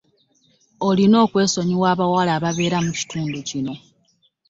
Olina okwesonyiwa abawala ababeera mu kitundu kino.